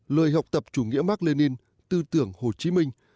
lời học tập chủ nghĩa mạc lê ninh tư tưởng hồ chí minh